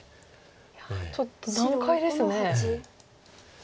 いやちょっと難解ですね。